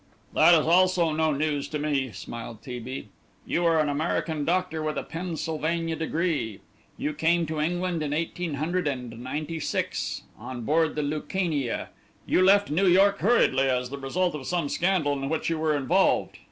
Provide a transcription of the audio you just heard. "That is also no news to me," smiled T. B. "You are an American doctor with a Pennsylvania degree. You came to England in eighteen hundred and ninety six, on board the Lucania. You left New York hurriedly as the result of some scandal in which you were involved.